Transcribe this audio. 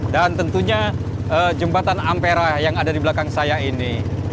dan tentunya jembatan ampera yang ada di belakang saya ini